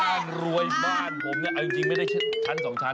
บ้านรวยบ้านผมจริงไม่ได้ชั้น๒ชั้น